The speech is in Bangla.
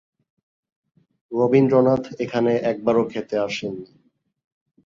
রবীন্দ্রনাথ এখানে একবারও খেতে আসেননি।